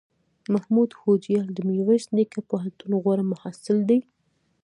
محمود هوډیال دمیرویس نیکه پوهنتون غوره محصل دی